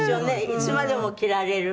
いつまでも着られる。